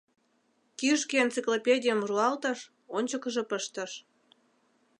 Кӱжгӧ энциклопедийым руалтыш, ончыкыжо пыштыш.